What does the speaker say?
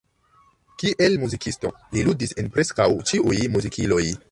Kiel muzikisto, li ludis en preskaŭ ĉiuj muzikiloj.